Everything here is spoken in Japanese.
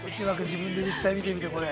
自分で実際見てみて、これ。